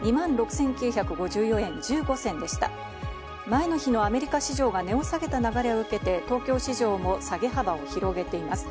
前の日のアメリカ市場が値を下げた流れを受けて東京市場も下げ幅を広げています。